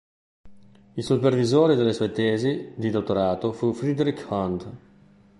Il supervisore delle sue tesi di dottorato fu Friedrich Hund.